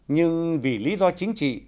nhưng vì lý do chính trị